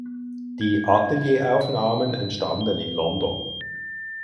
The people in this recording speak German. Die Atelieraufnahmen entstanden in London.